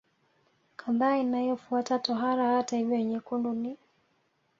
kadhaa inayofuata tohara Hata hivyo nyekundu ni